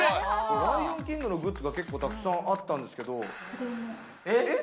『ライオンキング』のグッズが結構たくさんあったんですけれども。